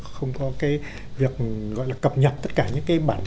không có cái việc gọi là cập nhật tất cả những cái bản